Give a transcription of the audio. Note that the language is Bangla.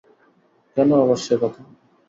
কেন আবার সে কথা।